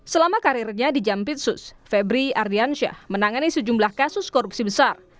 selama karirnya di jampitsus febri ardiansyah menangani sejumlah kasus korupsi besar